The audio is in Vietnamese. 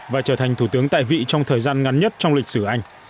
và trở thành thủ tướng tại vị trong thời gian ngắn nhất trong lịch sử anh